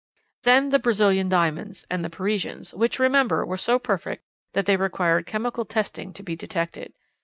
"Then the Brazilian diamonds, and the Parisians which, remember, were so perfect that they required chemical testing to be detected.